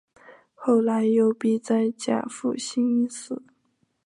后来幽闭在甲府兴因寺。